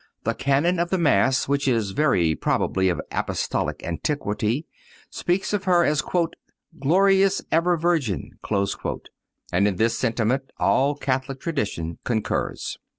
The Canon of the Mass, which is very probably of Apostolic antiquity, speaks of her as the "glorious ever Virgin," and in this sentiment all Catholic tradition concurs.